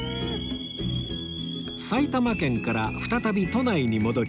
埼玉県から再び都内に戻り